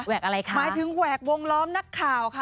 อะไรคะหมายถึงแหวกวงล้อมนักข่าวค่ะ